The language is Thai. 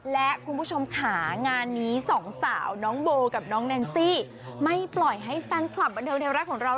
และคุณผู้ชมค่ะงานนี้สองสาวน้องโบกับน้องแนนซี่ไม่ปล่อยให้แฟนคลับบันเทิงไทยรัฐของเรา